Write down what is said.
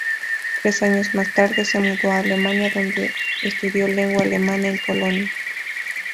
Tres años más tarde, se mudó a Alemania, donde estudió lengua alemana en Colonia.